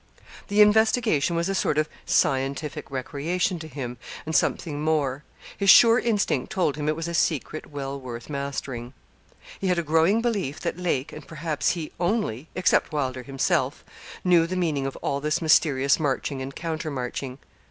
The investigation was a sort of scientific recreation to him, and something more. His sure instinct told him it was a secret well worth mastering. He had a growing belief that Lake, and perhaps he only except Wylder himself knew the meaning of all this mysterious marching and counter marching.